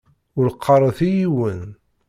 Ur qqaṛet i yiwen.